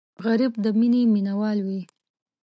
غریب د مینې مینهوال وي